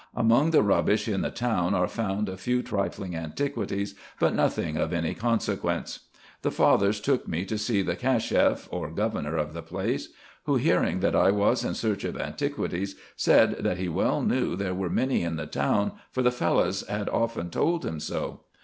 Among the rubbish in the town are found a few trifling antiquities, but nothing of any consequence. The fathers took me to see the Casheff, or governor of the place ; who, hearing that I was in search of antiquities, said that he well knew there were many in the town, for the Fellahs had often told him so.